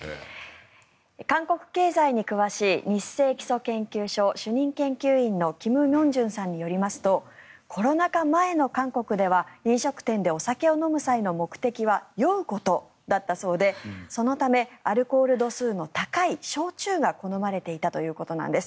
韓国経済に詳しいニッセイ基礎研究所主任研究員のキム・ミョンジュンさんによりますとコロナ禍前の韓国では飲食店でお酒を飲む際の目的は酔うことだったそうでそのためアルコール度数の高い焼酎が好まれていたということなんです。